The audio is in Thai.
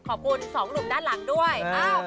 ขอบคุณสองหนุ่มด้านหลังด้วย